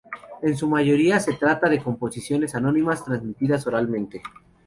En su mayoría se trata de composiciones anónimas, transmitidas oralmente.